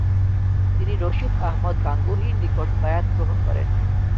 তিনি রশিদ আহমদ গাঙ্গুহির নিকট বায়আত গ্রহণ করেন।